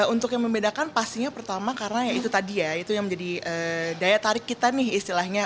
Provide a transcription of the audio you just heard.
untuk yang membedakan pastinya pertama karena ya itu tadi ya itu yang menjadi daya tarik kita nih istilahnya